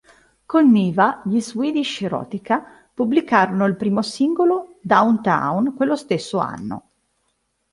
Con Niva gli Swedish Erotica pubblicarono il primo singolo "Down Town" quello stesso anno.